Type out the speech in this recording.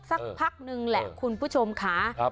สักพักนึงแหละคุณผู้ชมค่ะ